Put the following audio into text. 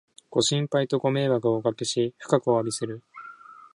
ご心配とご迷惑をおかけし、深くおわびする